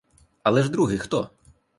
Але ж другий хто?